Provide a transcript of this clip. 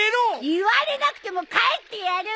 言われなくても帰ってやる！